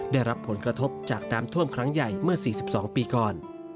ได้รับผลกระทบจากน้ำท่วมครั้งใหญ่เมื่อ๔๒ปีก่อน